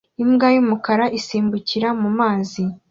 Imbwa y'umukara isimbukira mu mazi